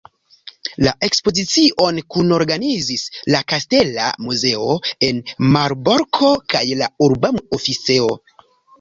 La ekspozicion kunorganizis la Kastela Muzeo en Malborko kaj la Urba Oficejo.